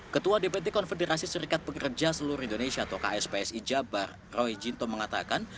ketua depan dekon federasi serikat pekerja seluruh indonesia atau kspsi jabar roy jinto mengatakan